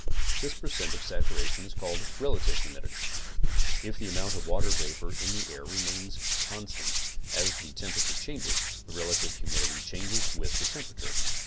This per cent of saturation is called relative humidity. If the amount of water vapor in the air remains constant as the temperature changes, the relative humidtiy changes with the temperature.